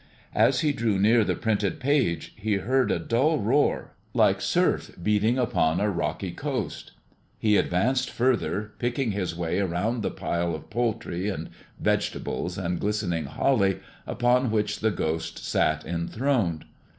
As he drew nearer the printed page, he heard a dull roar, like surf beating upon a rocky coast. He advanced further, picking his way around the pile of poultry and vegetables and glistening holly upon which the Ghost sat enthroned.